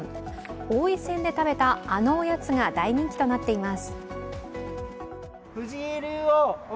王位戦で食べたあのおやつが大人気となっています。